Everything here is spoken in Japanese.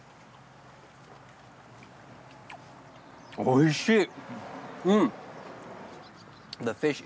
おいしい！